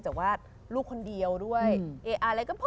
แต่ว่าลูกคนเดียวด้วยอะไรก็พอ